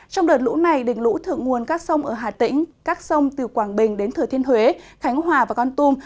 trong đợt lũ này đỉnh lũ thượng nguồn các sông ở hà tĩnh các sông từ quảng bình đến thừa thiên huế khánh hòa và con tum